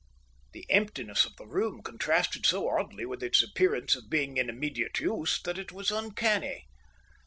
The emptiness of the room contrasted so oddly with its appearance of being in immediate use that it was uncanny.